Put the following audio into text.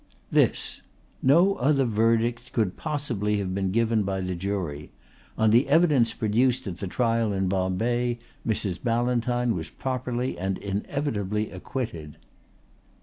"This no other verdict could possibly have been given by the jury. On the evidence produced at the trial in Bombay Mrs. Ballantyne was properly and inevitably acquitted."